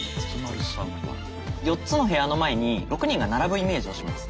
４つの部屋の前に６人が並ぶイメージをします。